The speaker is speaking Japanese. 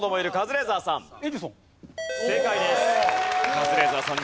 カズレーザーさん